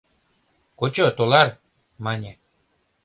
— Кучо, тулар, — мане.